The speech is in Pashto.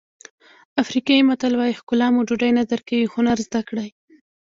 افریقایي متل وایي ښکلا مو ډوډۍ نه درکوي هنر زده کړئ.